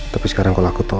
tapi sekarang kalau aku tahu